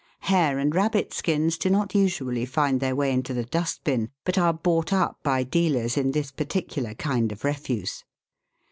Hare and rabbit skins do not usually find their way into the dust bin, but are bought up by dealers in this particular kind of refuse.